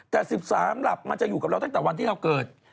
แต่๑๓หลับมันจะอยู่กับเราตั้งแต่วันที่เราเกิด